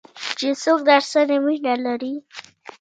چې څوک درسره مینه لري .